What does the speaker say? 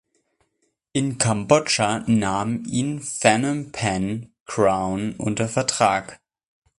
In Kambodscha nahm ihn Phnom Penh Crown unter Vertrag.